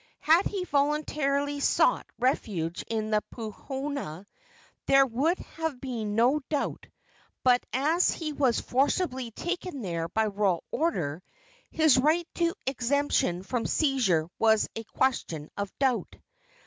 Had he voluntarily sought refuge in the puhonua, there would have been no doubt; but as he was forcibly taken there by royal order, his right to exemption from seizure was a question of doubt.